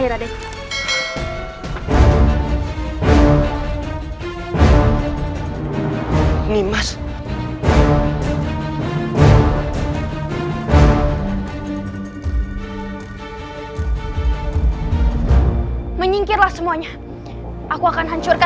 terima kasih kakak